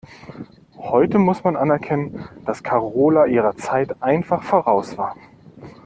Heute muss man anerkennen, dass Karola ihrer Zeit einfach voraus war.